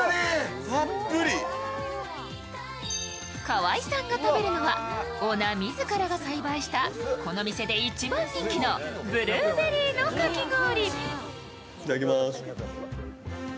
河合さんが食べるのはオーナー自らが栽培したこの店で一番人気のブルーベリーのかき氷。